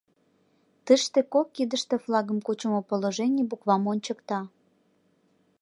Тыште кок кидыште флагым кучымо положений буквам ончыкта.